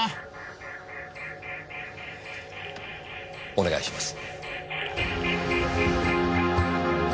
お願いします。